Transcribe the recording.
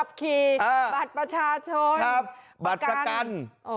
บัตรประชาชนตรรกัน